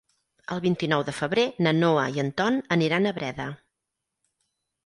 El vint-i-nou de febrer na Noa i en Ton aniran a Breda.